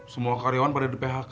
semua karyawan pada di phk